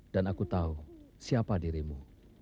dan aku tahu siapa dirimu